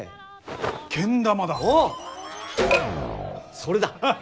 それだ！